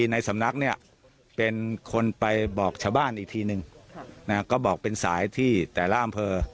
ในสำนักเนี่ยเป็นคนไปบอกชาวบ้านอีกทีนึงก็บอกเป็นสายที่แต่ละอำเภอ